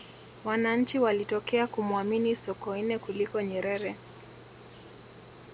wananchi walitokea kumuamini sokoine kuliko nyerere